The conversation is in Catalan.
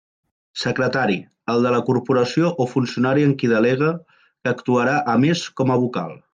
Secretari: el de la corporació o funcionari en qui delegue, que actuarà, a més, com a vocal.